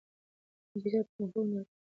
کمپیوټر پرمختګونه د حرکت تایید ممکن کړي.